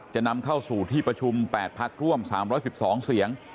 จะนำเข้าสู่ที่ประชุม๘พักร่วม๓๑๒เสียง